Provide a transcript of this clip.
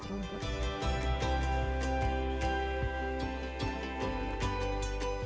makanan yang diberikan oleh petani adalah makanan yang diberikan oleh petani